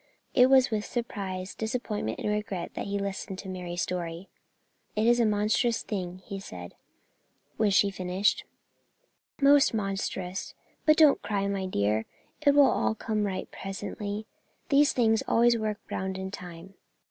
It was with surprise, disappointment, and regret that he listened to Mary's story. "It is a monstrous thing," he said, when she had finished. "Most monstrous; but don't cry, my dear, it will all come right presently. These things always work round in time."